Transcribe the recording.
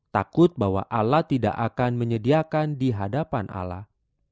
takut bahwa allah tidak akan menyediakan dihadapan allah